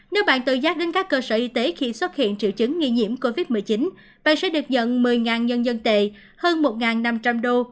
nếu bạn tự giác đến các cơ sở y tế khi xuất hiện triệu chứng nghi nhiễm covid một mươi chín bạn sẽ được nhận một mươi nhân dân tệ hơn một năm trăm linh đô